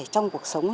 trong cuộc sống